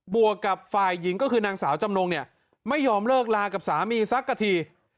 วกกับฝ่ายหญิงก็คือนางสาวจำนงเนี่ยไม่ยอมเลิกลากับสามีสักกะที